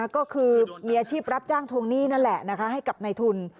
ก็คือมีอาชีพรับจ้างทวงหนี้นั่นแหละให้กับในทุน